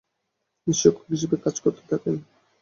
তিনি শিক্ষক হিসেবে কাজ করতে থাকেন।